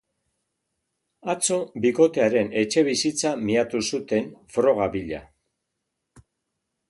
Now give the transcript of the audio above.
Atzo bikotearen etxebizitza miatu zuten, froga bila.